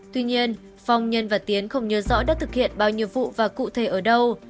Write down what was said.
tuy nhiên phong nhân và tiến không nhớ rõ đã thực hiện bao nhiêu vụ và cụ thể ở đâu